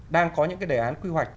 đang có những cái đề án quy hoạch